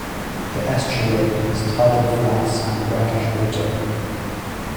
The estuary has tidal flats and brackish water.